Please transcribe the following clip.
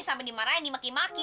sampai dimarahin dimaki maki